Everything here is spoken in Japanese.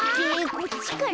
こっちかな？